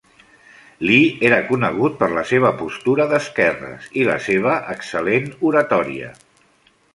Lee era conegut per la seva postura d'esquerres i la seva excel·lent oratòria.